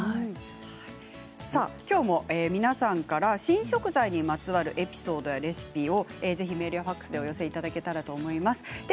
きょうも皆さんから新食材にまつわるエピソードやレシピを、ぜひメールやファックスでお寄せいただければと思います。